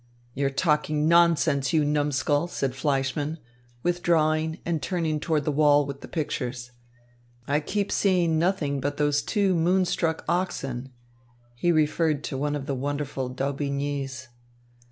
"You're talking nonsense, you numskull," said Fleischmann, withdrawing and turning toward the wall with the pictures. "I keep seeing nothing but those two moonstruck oxen." He referred to one of the wonderful Daubignys.